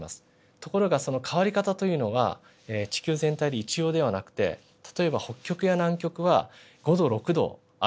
ところがその変わり方というのが地球全体で一様ではなくて例えば北極や南極は５℃６℃上がるだろうと。